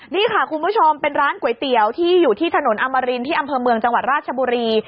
นี่ค่ะคุณผู้ชมเป็นร้านก๋วยเตี๋ยวที่อยู่ที่ถนนอมรินที่อำเภอเมืองจังหวัดราชบุรี